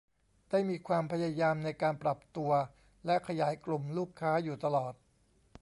ได้มีความพยายามในการปรับตัวและขยายกลุ่มลูกค้าอยู่ตลอด